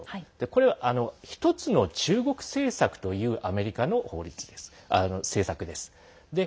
これは、ひとつの中国政策というアメリカの政策です。